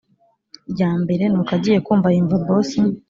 ryambere nuko agiye kumva yumva boss